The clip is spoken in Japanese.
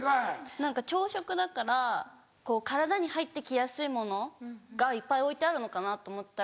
何か朝食だからこう体に入って来やすいものがいっぱい置いてあるのかなと思ったら。